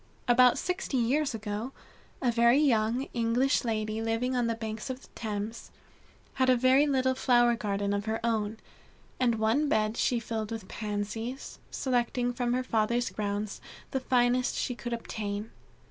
About sixty years ago, a very young English lady living on the banks of the Thames, had a little flower garden of her own, and one bed she filled with Pansies, selecting from her father's grounds the finest she could obtain.